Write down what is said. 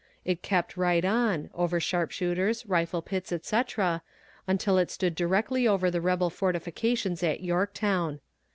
It kept right on, over sharpshooters, rifle pits, etc., until it stood directly over the rebel fortifications at Yorktown.